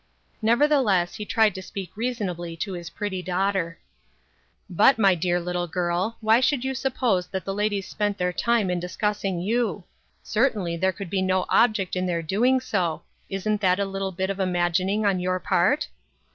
Nevertheless, he tried to speak reasonably to his pretty daughter. "But, my dear little girl, why should you sup pose that the ladies spent their time in discussing you ? Certainly there could be no object in their doing so. Isn't that a little bit of imagining on your part